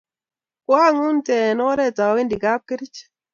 koang'unte eng' oret awendi kapkerich